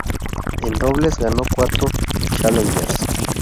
En dobles ganó cuatro "challengers".